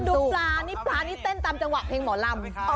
ดูปลานี่ปลานี่เต้นตามจังหวะเพลงหมอลำ